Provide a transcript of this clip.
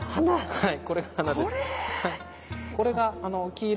はい。